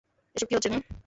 এসব কী হচ্ছে, হুহ?